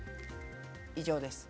以上です。